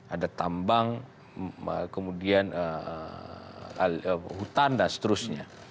ada tambang kemudian hutan dan seterusnya